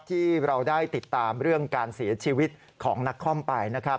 ที่เราได้ติดตามเรื่องการเสียชีวิตของนักคอมไปนะครับ